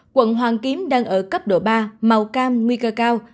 quận hoàn kiếm đang ở cấp độ ba màu cam nguy cơ cao